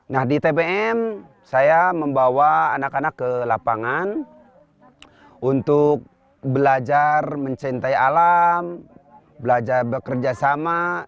nah di tbm saya membawa anak anak ke lapangan untuk belajar mencintai alam belajar bekerja sama